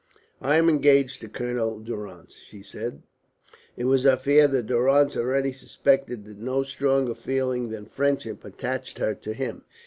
"I am engaged to Colonel Durrance," she said. It was her fear that Durrance already suspected that no stronger feeling than friendship attached her to him.